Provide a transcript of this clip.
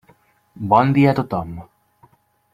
Bon dia a tothom.